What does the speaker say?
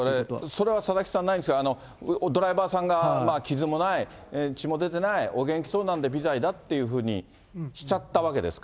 それは佐々木さん、ないんですが、ドライバーさんが傷もない、血も出てない、お元気そうなんで、微罪だっていうふうにしちゃったわけですか。